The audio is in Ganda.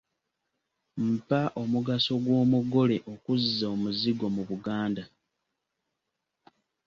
Mpa omugaso gw’omugole okuzza omuzigo mu Buganda.